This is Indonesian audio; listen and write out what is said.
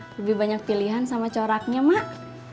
lebih banyak pilihan sama coraknya mak